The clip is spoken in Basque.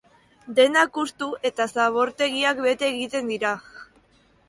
Dendak hustu eta zabortegiak bete egiten dira.